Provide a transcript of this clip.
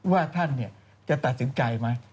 ว่าท่านจะตัดสินใจไหม